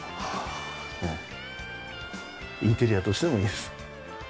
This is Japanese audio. インテリアとしてもいいです。